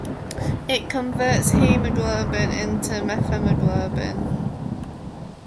It converts hemoglobin into methemoglobin.